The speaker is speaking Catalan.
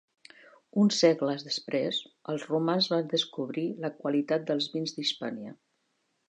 Uns segles després, els romans van descobrir la qualitat dels vins d'Hispània.